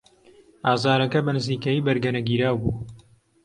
ئازارەکە بەنزیکەیی بەرگەنەگیراو بوو.